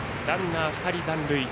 ランナー２人残塁。